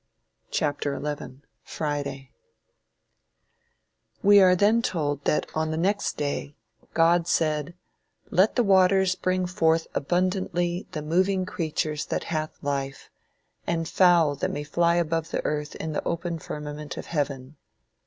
XI. FRIDAY We are then told that on the next day "God said, Let the waters bring forth abundantly the moving creatures that hath life, and fowl that may fly above the earth in the open firmament of heaven.